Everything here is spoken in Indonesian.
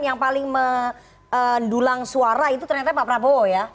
yang paling mendulang suara itu ternyata pak prabowo ya